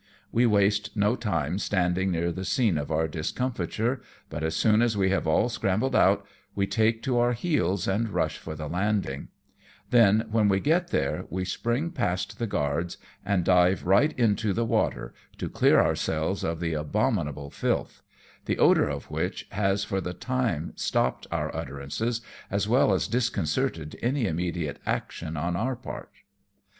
We waste no time standing near the scene of our discomfiture, but as soon as we have all scrambled out, we take to our heels and rush for the landing; then, when we get ' ARRIVE AT NAGASAKI. 267 there, we spring past the guards, and dive right into the water, to clear ourselves of the abominahle filth ; the odour of which has "lor the tinae stopped our utter ances, as well as disconcerted any immediate action on our part.